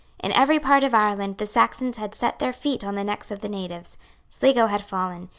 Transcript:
In every part of Ireland the Saxons had set their feet on the necks of the natives. Sligo had fallen.